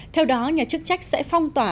theo đó nhà chức trách sẽ phong tỏa